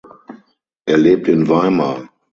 Er lebt in Weimar.